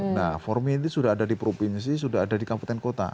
nah formi ini sudah ada di provinsi sudah ada di kabupaten kota